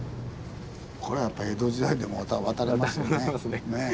これやっぱり江戸時代でも渡れますよね。